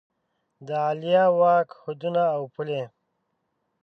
د عالیه واک حدونه او پولې